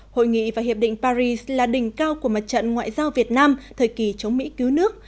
hội nghị và hiệp định paris là đỉnh cao của mặt trận ngoại giao việt nam thời kỳ chống mỹ cứu nước